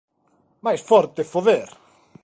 Máis forte, foder!